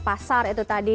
pasar itu tadi